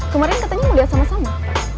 kemarin katanya mau lihat sama sama